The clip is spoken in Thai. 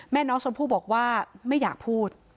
แม่น้องชมพู่บอกว่าไม่อยากพูด